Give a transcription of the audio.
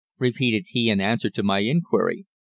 repeated he in answer to my inquiry.